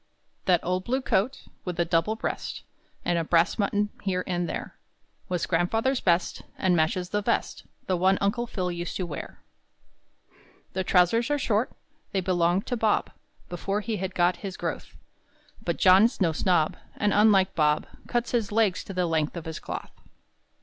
That old blue coat, With a double breast And a brass button here and there, Was grandfather's best, And matches the vest The one Uncle Phil used to wear. The trousers are short; They belonged to Bob Before he had got his growth; But John's no snob, And, unlike Bob, Cuts his legs to the length of his cloth.